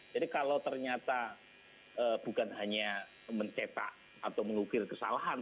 jadi kalau ternyata bukan hanya mencetak atau mengukir kesalahan